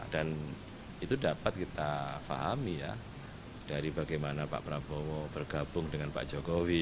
dan itu dapat kita fahami ya dari bagaimana pak prabowo bergabung dengan pak jokowi